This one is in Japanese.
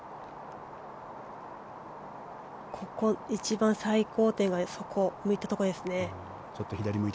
ここ、一番最高点がそこ、向いたところですね。